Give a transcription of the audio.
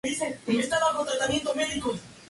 Se comprometió con la Reforma y modernizó el estado.